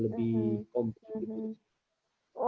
lebih kompleks gitu